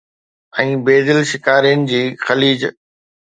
۽ بي دل شڪارين جي خليج